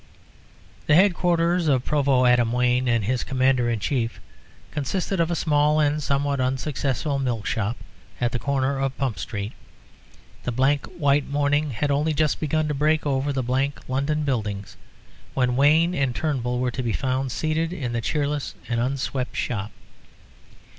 The headquarters of Provost Adam Wayne and his Commander in Chief consisted of a small and somewhat unsuccessful milk shop at the corner of Pump Street. The blank white morning had only just begun to break over the blank London buildings when Wayne and Turnbull were to be found seated in the cheerless and unswept shop.